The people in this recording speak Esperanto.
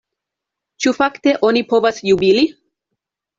Ĉu fakte oni povas jubili?